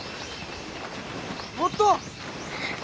もっと！